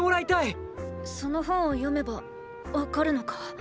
その本を読めばわかるのか？